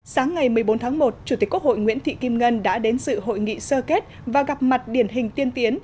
sáng ngày một mươi bốn tháng một chủ tịch quốc hội nguyễn thị kim ngân đã đến sự hội nghị sơ kết và gặp mặt điển hình tiên tiến